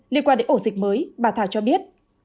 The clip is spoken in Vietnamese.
liên quan đến ổ dịch mới bà thảo cho biết